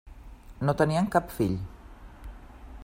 No tenien cap fill.